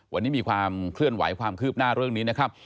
วันนี้มีความเคลื่อนไหวความคืบหน้าเรื่องนี้นะครับ